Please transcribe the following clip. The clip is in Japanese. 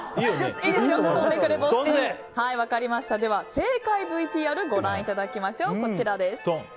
正解ＶＴＲご覧いただきましょう。